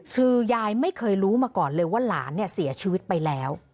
คือยายไม่เคยรู้มาก่อนเลยว่าหลานเนี่ยเสียชีวิตไปแล้ว